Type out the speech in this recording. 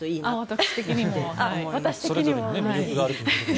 私的にも。